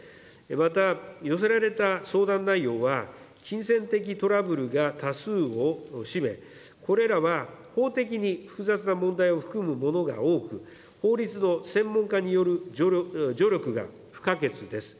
また、寄せられた相談内容は、金銭的トラブルが多数を占め、これらは法的に複雑な問題を含むものが多く、法律の専門家による助力が不可欠です。